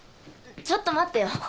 ちょっと待ってよ。